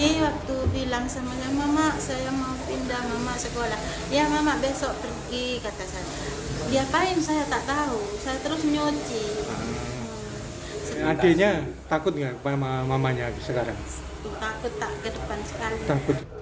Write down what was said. ia memilih tinggal bersama neneknya